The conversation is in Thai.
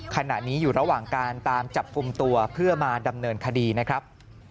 ขณะนี้อยู่ระหว่างการตามจับกลุ่มตัวเพื่อมาดำเนินคดีนะครับ